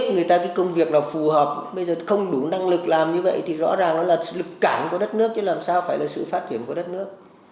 nói như vậy thì rõ ràng nó là lực cảnh của đất nước chứ làm sao phải là sự phát triển của đất nước